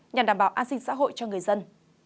nhằm đảm bảo an sinh xã hội cho người dân